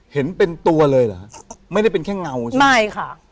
เห็นเป็นตัวเลยเหรอฮะไม่ได้เป็นแค่เงาใช่ไหมไม่ค่ะ